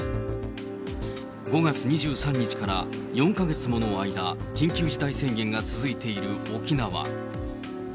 ５月２３日から４か月もの間、緊急事態宣言が続いている沖縄。